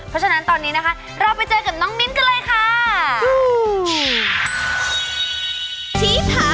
เพราะฉะนั้นตอนนี้นะคะเราไปเจอกับน้องมิ้นกันเลยค่ะ